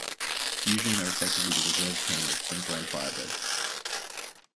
Fusion are effectively the reserve team of Queensland Firebirds.